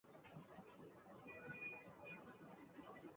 机身两旁的开放空间允许技师在飞行时自机舱爬出去维修引擎。